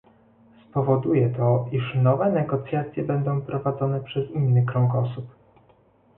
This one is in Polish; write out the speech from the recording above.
Spowoduje to, iż nowe negocjacje będą prowadzone przez inny krąg osób